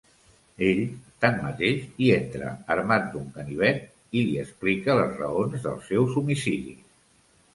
Ell, tanmateix, hi entra armat d'un ganivet i li explica les raons dels seus homicidis.